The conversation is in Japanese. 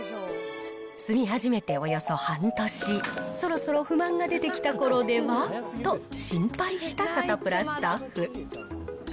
住み始めておよそ半年、そろそろ不満が出てきたころでは？と心配したサタプラスタッフ。